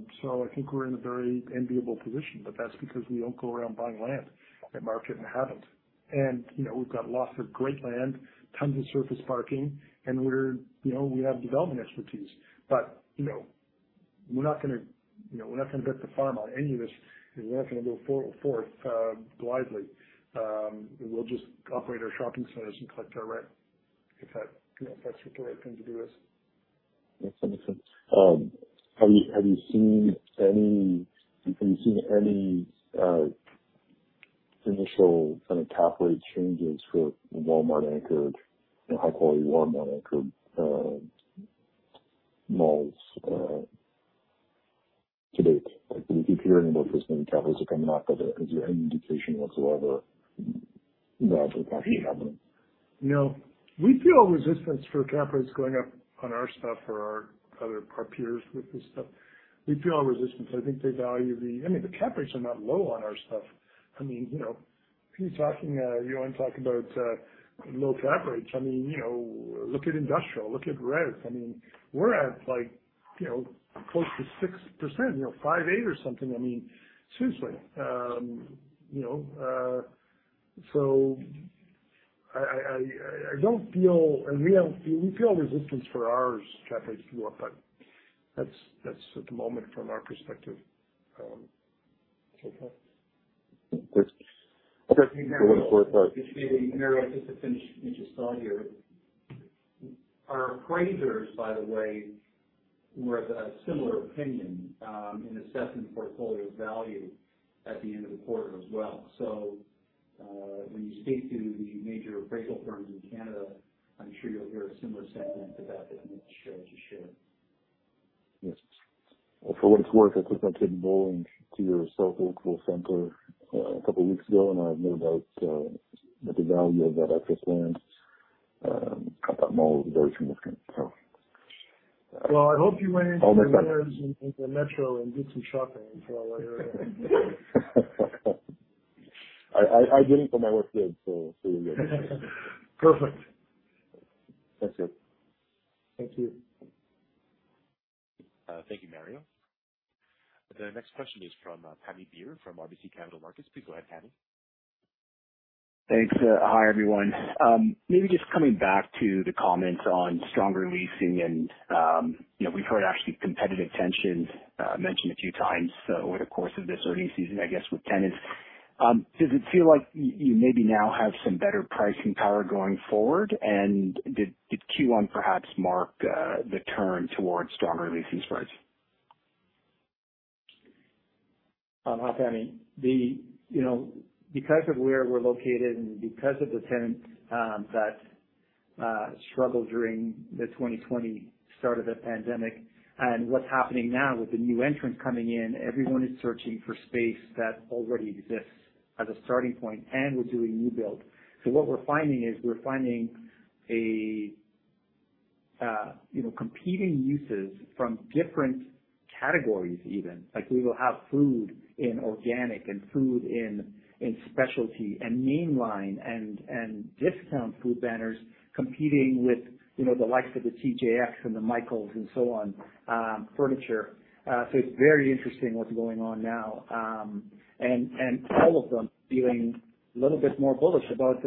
think we're in a very enviable position, but that's because we don't go around buying land at market and haven't. You know, we've got lots of great land, tons of surface parking, and we're, you know, we have development expertise. You know, we're not gonna bet the farm on any of this, and we're not gonna go forth blindly. We'll just operate our shopping centers and collect our rent if that's what the right thing to do is. That's interesting. Have you seen any initial kind of cap rate changes for Walmart anchored, you know, high quality Walmart anchored malls, to date? Like, we keep hearing about these new cap rates are coming out, but is there any indication whatsoever that they're actually happening? You know, we feel resistance for cap rates going up on our stuff or our peers with this stuff. We feel resistance. I think they value the. I mean, the cap rates are not low on our stuff. I mean, you know, if you're talking, you want to talk about low cap rates, I mean, you know, look at industrial, look at REITs. I mean, we're at, like, you know, close to 6%, you know, 5.8 or something. I mean, seriously. You know, we feel resistance for our cap rates to go up, but that's at the moment from our perspective. Okay. Thanks. Okay. For what it's worth, like. Maybe, Mario, just to finish what you just saw here. Our appraisers, by the way, were of a similar opinion in assessing the portfolio's value at the end of the quarter as well. When you speak to the major appraisal firms in Canada, I'm sure you'll hear a similar sentiment to that that Mitch just shared. Yes. Well, for what it's worth, I took my kid bowling to your South Oakville center, a couple weeks ago, and I knew about the value of that asset land. I thought the mall was very significant, so. Well, I hope you went into the Metro and did some shopping while you were there. I didn't, but my wife did, so you're good. Perfect. That's it. Thank you. Thank you, Mario. The next question is from Pammi Bir from RBC Capital Markets. Please go ahead, Pammi Bir. Thanks. Hi, everyone. Maybe just coming back to the comments on stronger leasing and, you know, we've heard actually competitive tensions mentioned a few times over the course of this earnings season, I guess, with tenants. Does it feel like you maybe now have some better pricing power going forward? Did Q1 perhaps mark the turn towards stronger leasing spreads? Hi, Paddy. You know, because of where we're located and because of the tenants that struggled during the 2020 start of the pandemic and what's happening now with the new entrants coming in, everyone is searching for space that already exists as a starting point, and we're doing new build. What we're finding is we're finding a competing uses from different categories even. Like, we will have food in organic and food in specialty and mainline and discount food banners competing with the likes of the TJX and the Michaels and so on, furniture. So it's very interesting what's going on now. All of them feeling a little bit more bullish about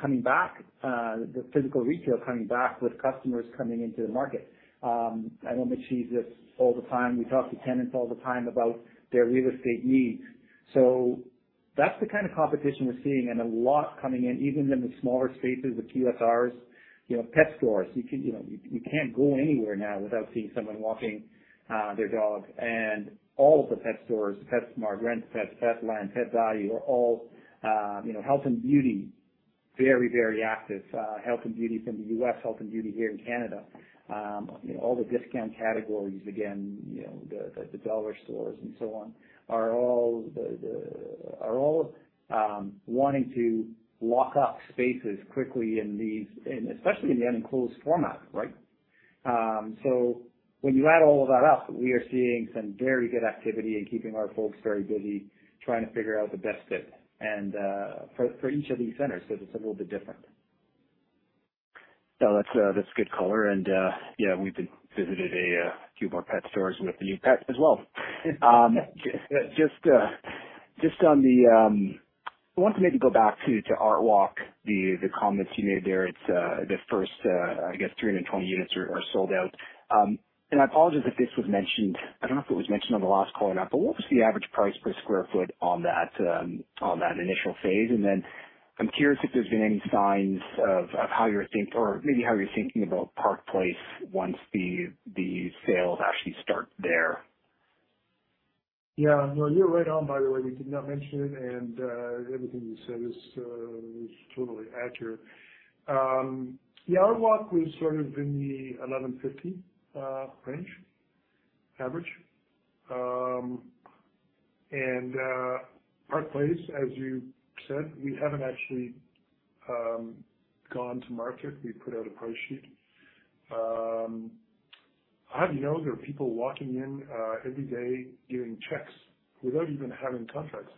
coming back, the physical retail coming back with customers coming into the market. I know Mitch sees this all the time. We talk to tenants all the time about their real estate needs. That's the kind of competition we're seeing and a lot coming in, even in the smaller spaces, the QSRs. You know, pet stores, you know, you can't go anywhere now without seeing someone walking their dog. All of the pet stores, PetSmart, Ren's Pets, Petland, Pet Valu are all, you know, health and beauty Very, very active. Health and beauty from the U.S., health and beauty here in Canada. All the discount categories, again, you know, the dollar stores and so on are all wanting to lock up spaces quickly in these and especially in the enclosed format, right? So when you add all of that up, we are seeing some very good activity and keeping our folks very busy trying to figure out the best fit and for each of these centers, because it's a little bit different. No, that's good color. Yeah, we've visited a few of our pet stores with the new pet as well. I want to maybe go back to ArtWalk, the comments you made there. It's the first, I guess 320 units are sold out. I apologize if this was mentioned. I don't know if it was mentioned on the last call or not, but what was the average price per sq ft on that initial phase? I'm curious if there's been any signs of how you're thinking about Park Place once the sales actually start there. Yeah. No, you're right on by the way, we did not mention it. Everything you said is totally accurate. Yeah, ArtWalk was sort of in the 1,150 range average. Park Place, as you said, we haven't actually gone to market. We put out a price sheet. I already know there are people walking in every day giving checks without even having contracts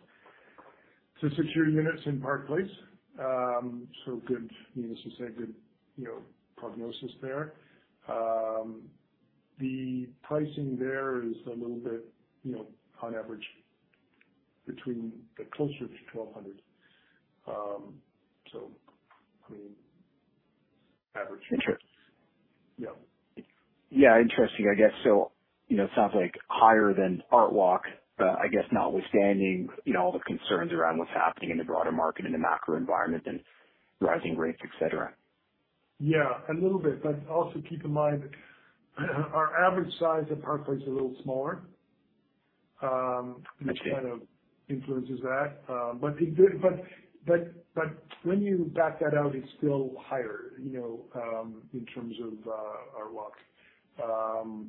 to secure units in Park Place. So good, needless to say, good, you know, prognosis there. The pricing there is a little bit, you know, on average between the closer to 1,200. So, I mean, average. Interesting. Yeah. Yeah, interesting. I guess so, you know, it sounds like higher than ArtWalk, but I guess notwithstanding, you know, all the concerns around what's happening in the broader market, in the macro environment and rising rates, et cetera. Yeah, a little bit. Also keep in mind our average size at Park Place is a little smaller. Okay. which kind of influences that. When you back that out, it's still higher, you know, in terms of ArtWalk.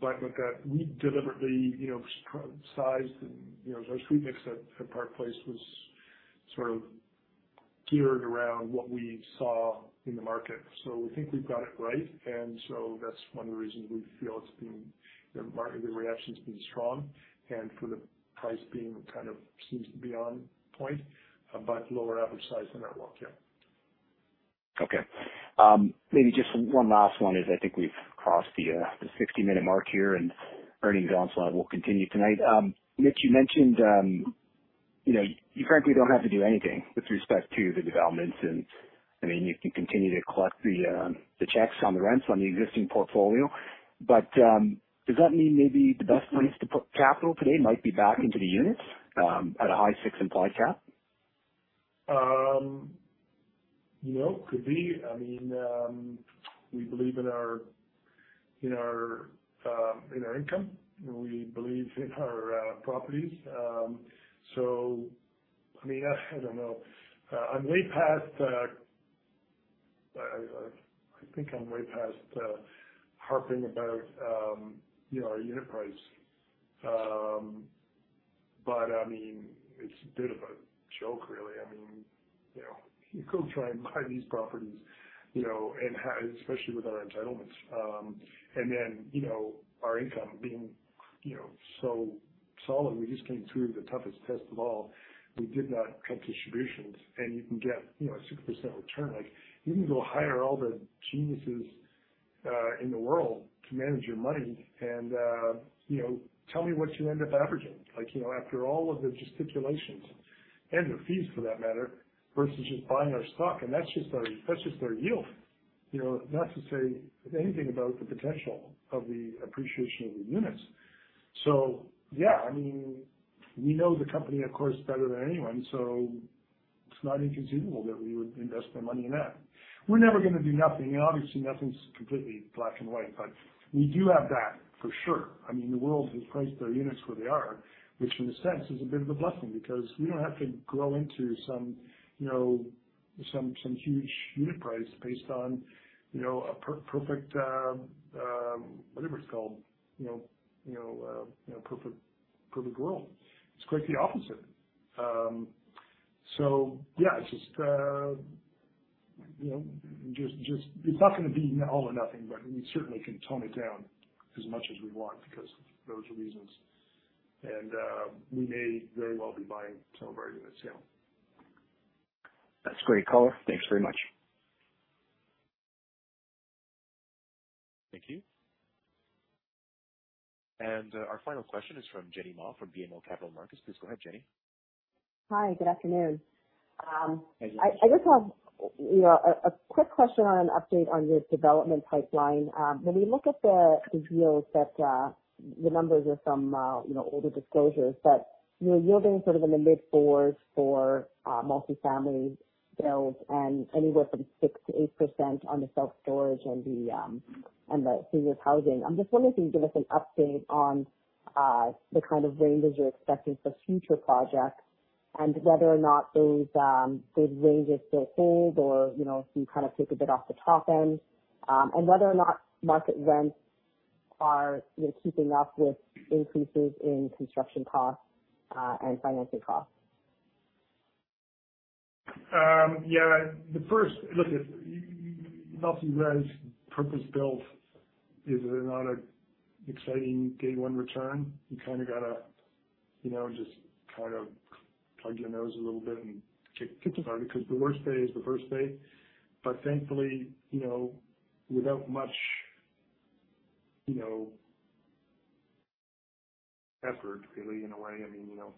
With that, we deliberately, you know, sized and, you know, our street mix at Park Place was sort of geared around what we saw in the market. We think we've got it right. That's one of the reasons we feel it's been, the reaction's been strong and for the price being kind of seems to be on point, but lower average size than ArtWalk. Yeah. Okay. Maybe just one last one as I think we've crossed the 60-minute mark here and earnings onslaught will continue tonight. Mitch, you mentioned, you know, you frankly don't have to do anything with respect to the developments. I mean, you can continue to collect the checks on the rents on the existing portfolio. Does that mean maybe the best place to put capital today might be back into the units at a high six implied cap? You know, could be. I mean, we believe in our income. We believe in our properties. I mean, I don't know. I'm way past. I think I'm way past harping about, you know, our unit price. I mean, it's a bit of a joke, really. I mean, you know, you could try and buy these properties, you know, and especially with our entitlements, and then, you know, our income being, you know, so solid. We just came through the toughest test of all. We did not cut distributions. You can get, you know, a 6% return. Like, you can go hire all the geniuses in the world to manage your money and, you know, tell me what you end up averaging, like, you know, after all of the stipulations and the fees for that matter, versus just buying our stock. That's just our yield, you know, not to say anything about the potential of the appreciation of the units. Yeah, I mean, we know the company, of course, better than anyone, so it's not inconceivable that we would invest our money in that. We're never gonna do nothing. Obviously nothing's completely black and white. We do have that for sure. I mean, the world has priced our units where they are, which in a sense is a bit of a blessing because we don't have to grow into some, you know, some huge unit price based on, you know, a perfect, whatever it's called, you know, you know, a, you know, perfect world. It's quite the opposite. So yeah, it's just, you know, just it's not gonna be all or nothing, but we certainly can tone it down as much as we want because of those reasons. We may very well be buying some of our units. Yeah. That's great color. Thanks very much. Thank you. Our final question is from Jenny Ma from BMO Capital Markets. Please go ahead, Jenny. Hi. Good afternoon. Thank you. I just have, you know, a quick question on an update on your development pipeline. When we look at the yields that the numbers are from, you know, older disclosures, but you're yielding sort of in the mid-fours for multifamily builds and anywhere from 6%-8% on the self-storage and the seniors housing. I'm just wondering if you can give us an update on the kind of ranges you're expecting for future projects. Whether or not those ranges still hold or, you know, if you kind of take a bit off the top end, and whether or not market rents are, you know, keeping up with increases in construction costs and financing costs. Look, if multi-res purpose built is not an exciting day one return. You kinda gotta, you know, just kind of plug your nose a little bit and kick the tire because the worst day is the first day. Thankfully, you know, without much, you know, effort really, in a way, I mean, you know,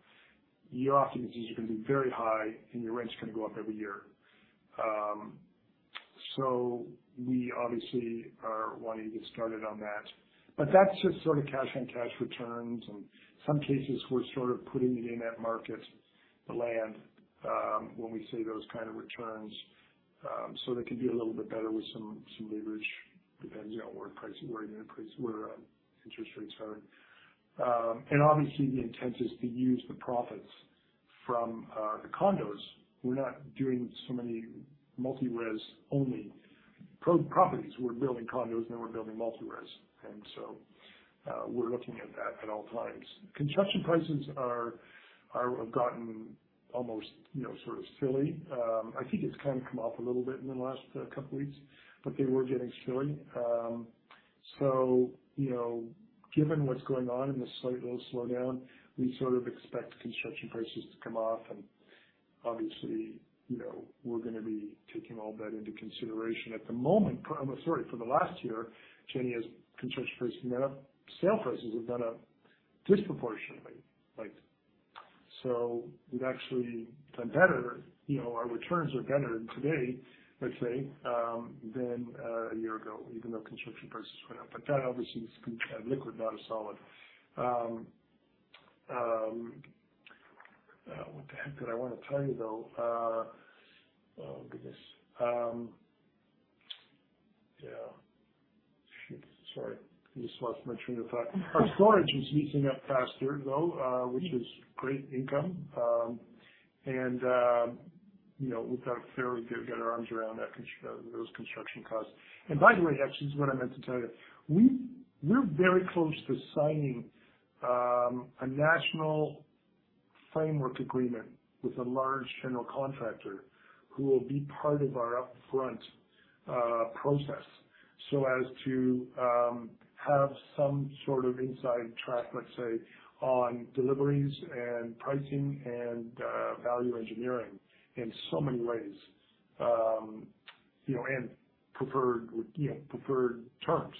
your occupancies are gonna be very high, and your rent's gonna go up every year. We obviously are wanting to get started on that, but that's just sort of cash on cash returns. In some cases we're sort of putting it in that market, the land, when we see those kind of returns. They could do a little bit better with some leverage. Depends, you know, where pricing, where you're gonna increase, where interest rates are going. Obviously the intent is to use the profits from the condos. We're not doing so many multi-res only pro-properties. We're building condos, then we're building multi-res. We're looking at that at all times. Construction prices have gotten almost, you know, sort of silly. I think it's kind of come off a little bit in the last couple weeks, but they were getting silly. Given what's going on in this slight little slowdown, we sort of expect construction prices to come off. Obviously, we're gonna be taking all that into consideration. At the moment, for the last year, Jenny, as construction prices went up, sale prices have gone up disproportionately, like so we've actually done better. You know, our returns are better today, let's say, than a year ago, even though construction prices went up. That obviously is a liquid, not a solid. What the heck did I want to tell you though? Oh, goodness. Yeah. Shoot. Sorry. I just lost my train of thought. Our storage is leasing up faster though, which is great income. You know, we've got a fairly good get our arms around those construction costs. By the way, actually, this is what I meant to tell you. We're very close to signing a national framework agreement with a large general contractor who will be part of our upfront process so as to have some sort of inside track, let's say, on deliveries and pricing and value engineering in so many ways. You know, and preferred with, you know, preferred terms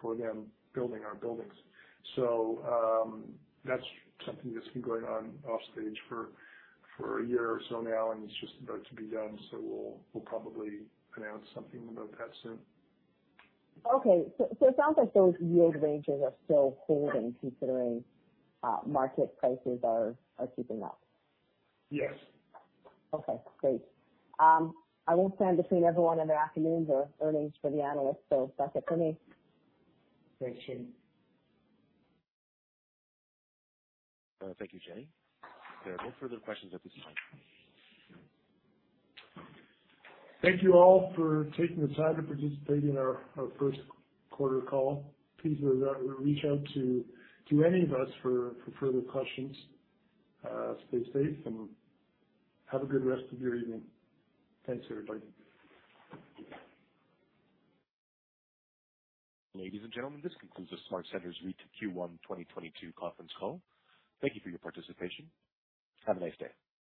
for them building our buildings. That's something that's been going on off stage for a year or so now, and it's just about to be done. We'll probably announce something about that soon. Okay. It sounds like those yield ranges are still holding considering market prices are keeping up. Yes. Okay, great. I won't stand between everyone and their afternoons or earnings for the analysts. That's it for me. Great, Jenny. Thank you, Jenny. There are no further questions at this time. Thank you all for taking the time to participate in our first quarter call. Please reach out to any of us for further questions. Stay safe and have a good rest of your evening. Thanks, everybody. Ladies and gentlemen, this concludes the SmartCentres REIT Q1 2022 conference call. Thank you for your participation. Have a nice day.